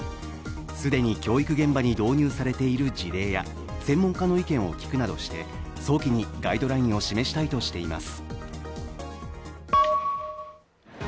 既に教育現場に導入されている事例や専門家の意見を聞くなどして早期にガイドラインを示したいとしています。